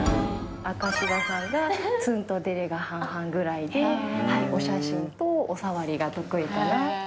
赤柴さんがツンとデレが半々ぐらいでお写真とお触りが得意かな。